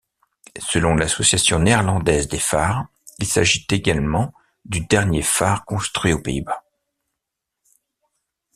Selon l’association néerlandaise des phares, il s’agit également du dernier phare construit aux Pays-Bas.